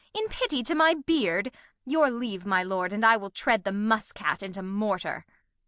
In Pity to my Beard Your Leave my Lord, And I will tread the Muss cat into Mortar.